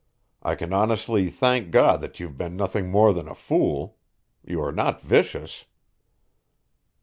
I can honestly thank God that you've been nothing more than a fool. You are not vicious."